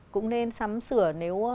cũng nên sắm sửa